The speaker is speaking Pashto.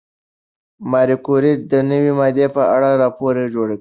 ماري کوري د نوې ماده په اړه راپور جوړ کړ.